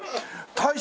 大将。